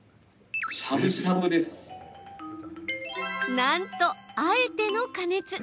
なんと、あえての加熱。